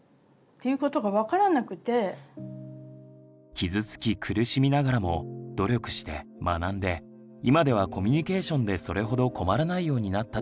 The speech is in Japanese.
傷つき苦しみながらも努力して学んで今ではコミュニケーションでそれほど困らないようになったといいます。